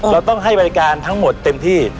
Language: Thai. เราต้องให้บริการทั้งหมดเต็มที่